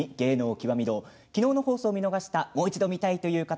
昨日の日の放送を見逃したもう一度見たいという方